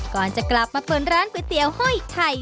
ก่อนจะกลับมาเปิดร้านก๋วยเตี๋ยวห้อยไข่